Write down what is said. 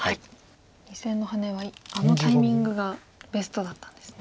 ２線のハネはあのタイミングがベストだったんですね。